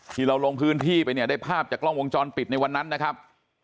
เราลงพื้นที่ไปเนี่ยได้ภาพจากกล้องวงจรปิดในวันนั้นนะครับ